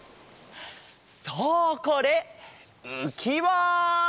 そうこれうきわ！